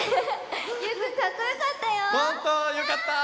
ゆうくんかっこよかったよ！